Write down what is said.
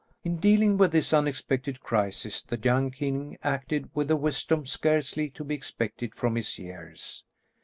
In dealing with this unexpected crisis, the young king acted with a wisdom scarcely to be expected from his years.